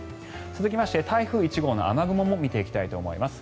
続きまして、台風１号の雨雲も見ていきたいと思います。